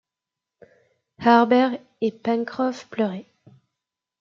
Harbert et Pencroff pleuraient